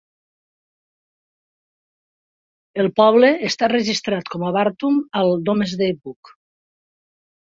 El poble està registrat com a "Bartun" al "Domesday Book".